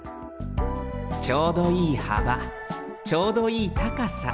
ちょうどいいはばちょうどいいたかさ。